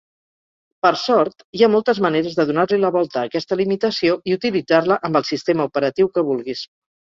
Per sort, hi ha moltes maneres de donar-li la volta a aquesta limitació i utilitzar-la amb el sistema operatiu que vulguis.